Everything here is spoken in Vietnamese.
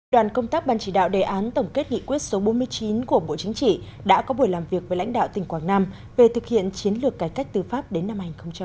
đoàn công tác ban chỉ đạo đề án tổng kết nghị quyết số bốn mươi chín của bộ chính trị đã có buổi làm việc với lãnh đạo tỉnh quảng nam về thực hiện chiến lược cải cách tư pháp đến năm hai nghìn hai mươi